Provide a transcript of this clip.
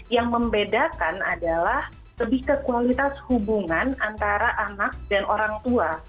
yang membedakan adalah lebih ke kualitas hubungan antara anak dan orang tua